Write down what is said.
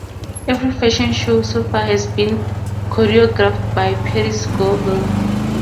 Every fashion show so far has been choreographed by Parris Goebel.